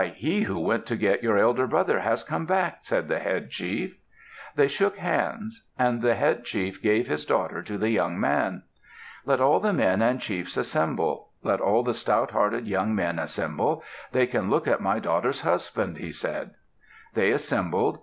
He who went to get your elder brother has come back!" said the head chief. They shook hands. And the head chief gave his daughter to the young man. "Let all the men and chiefs assemble. Let all the stout hearted young men assemble. They can look at my daughter's husband," he said. They assembled.